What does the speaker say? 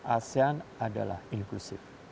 asean adalah inclusive